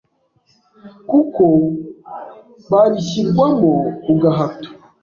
kuko barishyirwamo ku gahato